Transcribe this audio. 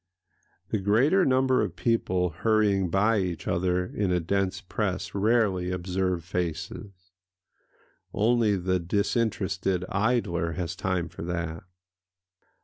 The greater number of people hurrying by each other in a dense press rarely observe faces: only the disinterested idler has time for that.